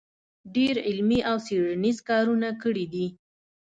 ډېر علمي او څېړنیز کارونه کړي دی